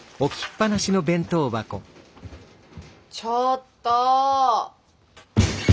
ちょっと。